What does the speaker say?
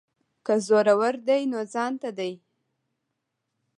که زورور دی نو ځانته دی.